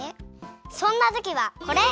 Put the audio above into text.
そんなときはこれ！